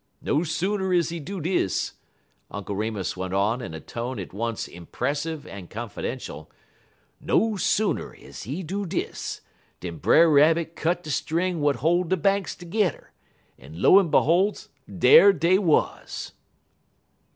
No sooner is he do dis," Uncle Remus went on in a tone at once impressive and confidential, "no sooner is he do dis dan Brer Rabbit cut de string w'at hol' de banks togedder, en, lo en beholes, dar dey wuz!"